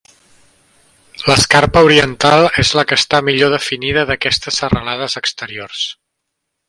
L'escarpa oriental és la que està millor definida d'aquestes serralades exteriors.